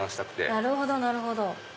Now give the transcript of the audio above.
なるほどなるほど。